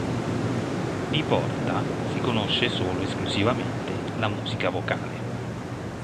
Di Porta si conosce solo esclusivamente la musica vocale.